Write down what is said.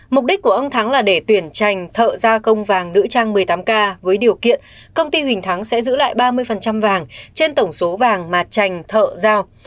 mục đích của ông thắng là để tuyển trành thợ gia công vàng nữ trang một mươi tám k với điều kiện công ty huỳnh thắng sẽ giữ lại ba mươi vàng trên tổng số vàng mà trành thợ giao